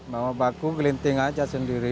bawa baku kelinting saja sendiri